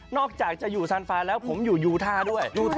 อกจากจะอยู่ซานฟ้าแล้วผมอยู่ยูท่าด้วย